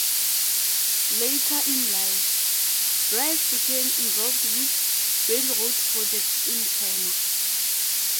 Later in life, Brice became involved with railroad projects in China.